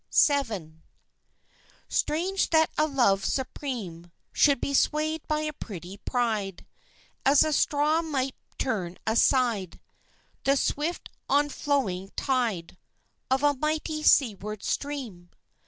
VII. Strange that a love supreme Should be swayed by a petty pride, As a straw might turn aside The swift onflowing tide Of a mighty seaward stream!